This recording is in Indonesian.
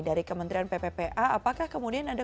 dari kementerian pppa apakah kemudian ada